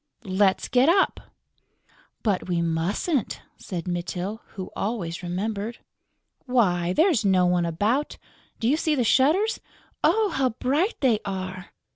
"Let's get up." "But we mustn't," said Mytyl, who always remembered. "Why, there's no one about!... Do you see the shutters?" "Oh, how bright they are!..."